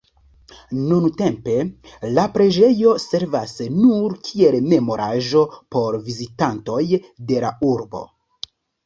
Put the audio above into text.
Nuntempe la preĝejo servas nur kiel memoraĵo por vizitantoj de la urbo.